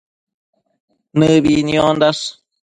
Nëbida niondash